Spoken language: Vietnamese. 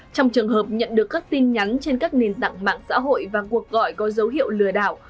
trong trường hợp nhận được các tin nhắn trên các nền tảng mạng xã hội và cuộc gọi có dấu hiệu lừa đảo